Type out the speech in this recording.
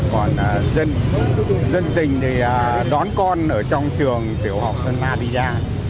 còn dân tình thì đón con ở trong trường tiểu học hơn ba đi ra